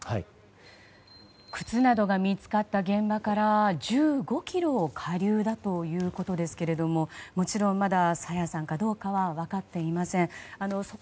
靴などが見つかった現場から１５ｋｍ下流だということですがもちろんまだ朝芽さんかどうかは分かっていません。